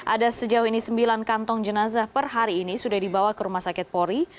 ada sejauh ini sembilan kantong jenazah per hari ini sudah dibawa ke rumah sakit polri